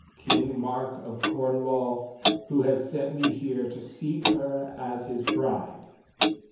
King Mark of Cornwall, who has sent me here to seek her as his bride."